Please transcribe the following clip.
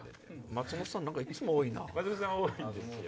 松本さん多いんですよ。